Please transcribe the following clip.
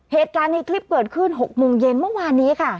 เหตุการณ์ในคลิปเกิดขึ้น๖โมงเย็นเมื่อวานนี้ค่ะ